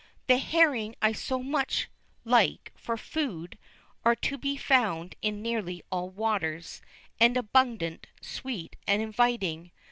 The herring I so much like for food are to be found in nearly all waters, and abundant, sweet, and inviting.